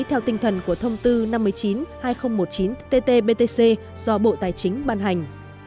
theo tinh thần của thông tư năm mươi chín hai nghìn một mươi chín tt btc do bộ tài chính ban hành